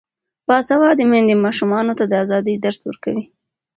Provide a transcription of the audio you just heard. باسواده میندې ماشومانو ته د ازادۍ درس ورکوي.